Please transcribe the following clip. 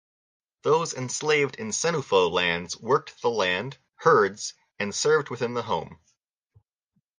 Those enslaved in Senufo lands worked the land, herds and served within the home.